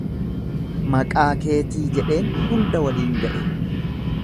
Maqaa keetii jedheen, hunda waliin ga'e.